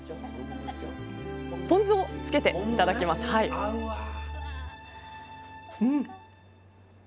ポン酢をつけていただきますさあ